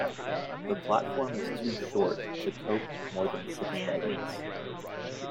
The platform is too short to cope more than six wagons.